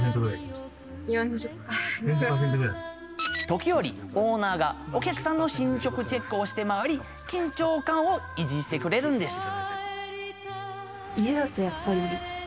時折オーナーがお客さんの進捗チェックをして回り緊張感を維持してくれるんです。